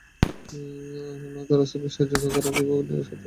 আল্লাহ্ তার রাসূলকে সাহায্য না করে কিভাবে নিরাশ করতে পারেন।